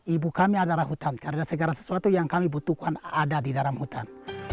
ibu kami adalah hutan karena segala sesuatu yang kami butuhkan ada di dalam hutan